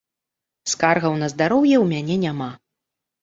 Скаргаў на здароўе у мяне няма.